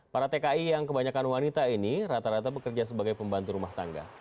para tki yang kebanyakan wanita ini rata rata bekerja sebagai pembantu rumah tangga